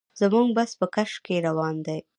زموږ بس په کش کې روان دی.